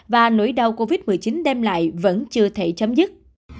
và nỗi đau covid một mươi chín đem lại vẫn chưa thể chấm dứt